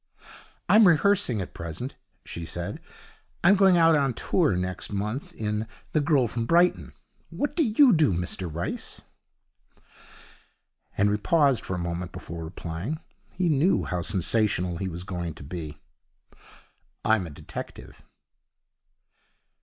'I'm rehearsing at present,' she said. 'I'm going out on tour next month in "The Girl From Brighton". What do you do, Mr Rice?' Henry paused for a moment before replying. He knew how sensational he was going to be. 'I'm a detective.'